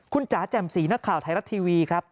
คุณจ๋าแจ่มสีนักข่าวไทยรัฐทีวีครับ